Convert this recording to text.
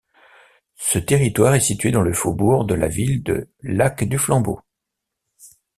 Ce territoire est situé dans le faubourg de la ville de Lac du Flambeau.